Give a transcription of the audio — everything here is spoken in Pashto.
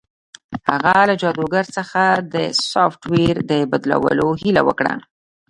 هغه له جادوګر څخه د سافټویر د بدلولو هیله وکړه